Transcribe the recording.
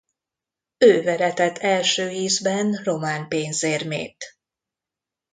Ő veretett első ízben román pénzérmét.